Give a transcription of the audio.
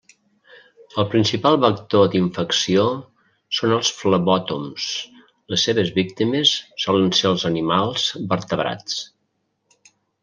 El principal vector d'infecció són els flebòtoms; les seves víctimes solen ser els animals vertebrats.